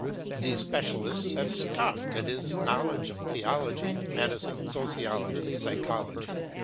The spe cialists have scoffed at his knowledge of theology, medicine, sociology, psychology.